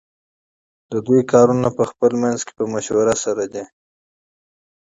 ددوی کارونه پخپل منځ کی په مشوره سره دی .